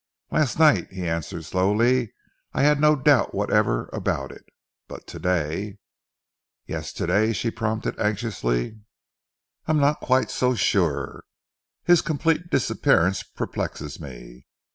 "Last night," he answered slowly, "I had no doubt whatever about it. But today " "Yes, today?" she prompted anxiously. "I am not quite so sure. His complete disappearance perplexes me.